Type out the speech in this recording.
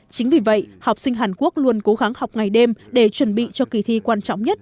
chính vì vậy học sinh hàn quốc luôn cố gắng học ngày đêm để chuẩn bị cho kỳ thi quan trọng nhất